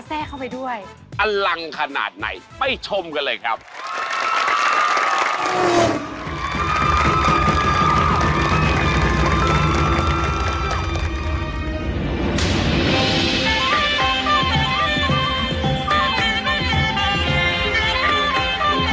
เจ้าคลายดินหวงหญิงแนน